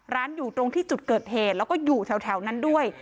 อยู่ตรงที่จุดเกิดเหตุแล้วก็อยู่แถวนั้นด้วย